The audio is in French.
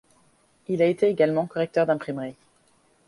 Il a été également correcteur d'imprimerie.